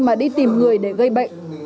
mà đi tìm người để gây bệnh